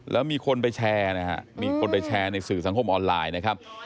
แล้วมีคนไปแชร์ในสื่อสังคมออนไลน์นะครับ